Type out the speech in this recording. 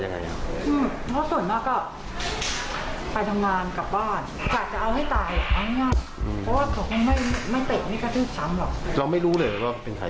เราไม่รู้เลยว่าเป็นใคร